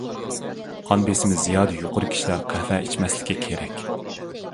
قان بېسىمى زىيادە يۇقىرى كىشىلەر قەھۋە ئىچمەسلىكى كېرەك.